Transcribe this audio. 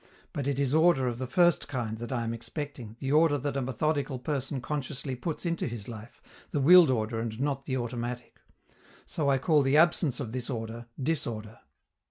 But it is order of the first kind that I am expecting, the order that a methodical person consciously puts into his life, the willed order and not the automatic: so I call the absence of this order "disorder."